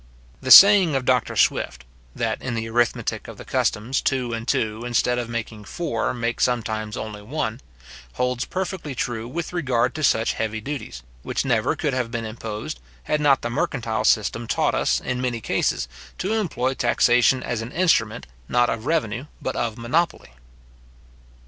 The saying of Dr. Swift, that in the arithmetic of the customs, two and two, instead of making four, make sometimes only one, holds perfectly true with regard to such heavy duties, which never could have been imposed, had not the mercantile system taught us, in many cases, to employ taxation as an instrument, not of revenue, but of monopoly.